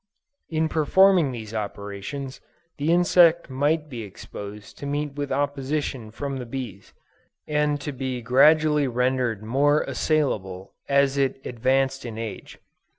In performing these operations, the insect might be expected to meet with opposition from the bees, and to be gradually rendered more assailable as it advanced in age.